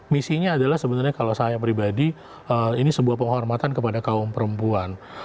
misinya adalah sebenarnya kalau saya pribadi ini sebuah penghormatan kepada kaum perempuan